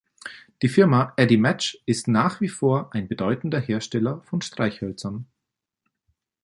Die Firma Eddy Match ist nach wie vor ein bedeutender Hersteller von Streichhölzern.